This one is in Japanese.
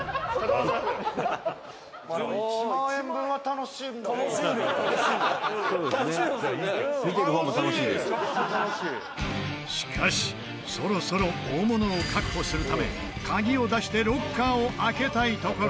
「めちゃくちゃ楽しい」しかしそろそろ大物を確保するため鍵を出してロッカーを開けたいところ。